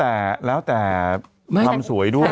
แต่แล้วแต่ทำสวยด้วย